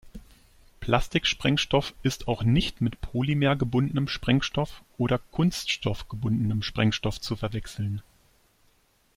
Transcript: Plastiksprengstoff ist auch nicht mit polymer-gebundenem Sprengstoff oder kunststoff-gebundenem Sprengstoff zu verwechseln.